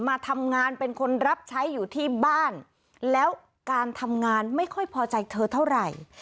มาทำงานเป็นคนรับใช้อยู่ที่บ้านแล้วการทำงานไม่ค่อยพอใจเธอเท่าไหร่